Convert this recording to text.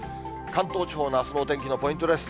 関東地方のあすのお天気のポイントです。